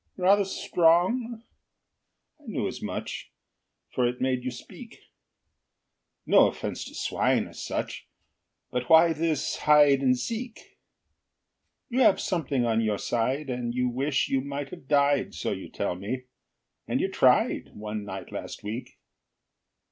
Rather strong? I knew as much, For it made you speak. No offense to swine, as such, But why this hide and seek? You have something on your side, And you wish you might have died, So you tell me. And you tried One night last week?